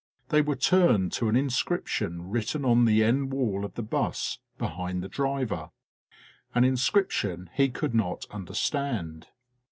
They were turned to an inscription written on the end wall of the 'bus behind the driver, an inscrip tion he could not understand.